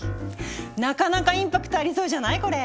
なかなかインパクトありそうじゃないこれ？